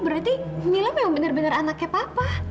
berarti mila memang benar benar anaknya papa